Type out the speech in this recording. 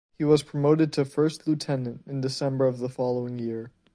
He was promoted to First Lieutenant in December of the following year.